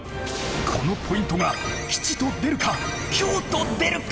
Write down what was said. このポイントが吉と出るか凶と出るか。